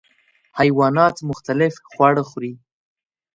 حیوانات مختلف خواړه خوري.